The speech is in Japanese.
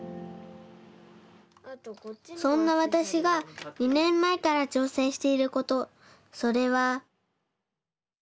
そんなわたしが２ねんまえからちょうせんしていることそれは。